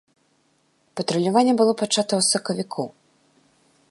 Патруляванне было пачата ў сакавіку.